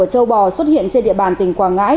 ở châu bò xuất hiện trên địa bàn tỉnh quảng ngãi